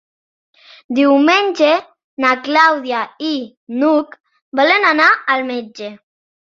Diumenge na Clàudia i n'Hug volen anar al metge.